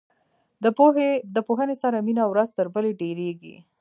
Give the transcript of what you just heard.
د پوهنې سره مینه ورځ تر بلې ډیریږي.